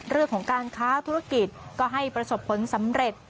เรื่องของการค้าธุรกิจก็ให้ประสบผลสำเร็จ